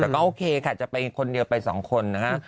แต่ก็โอเคค่ะจะไปคนเดียวไปสองคนนะฮะ